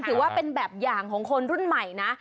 ถือว่าเป็นแบบอย่างของคนรุ่นใหม่นะ